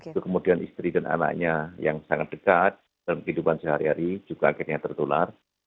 itu kemudian istri dan anaknya yang sangat dekat dalam kehidupan sehari hari juga akhirnya tertular